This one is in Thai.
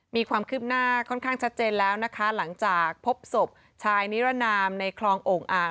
มีความคืบหน้าค่อนข้างชัดเจนแล้วนะคะหลังจากพบศพชายนิรนามในคลองโอ่งอ่าง